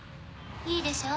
いいでしょ？